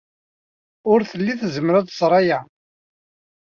Ur telli tezmer ad tẓer aya.